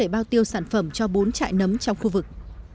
bao tiêu sản phẩm cho bốn trại nấm trong khu vực